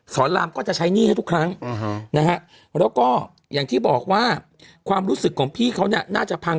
รามก็จะใช้หนี้ให้ทุกครั้งนะฮะแล้วก็อย่างที่บอกว่าความรู้สึกของพี่เขาเนี่ยน่าจะพัง